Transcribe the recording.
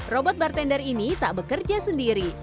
robot bartender ini tak bekerja sendiri